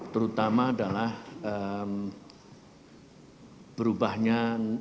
terutama adalah berubahnya